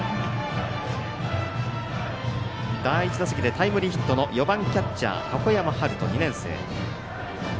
第１打席でタイムリーヒットの４番キャッチャー、箱山遥人２年生。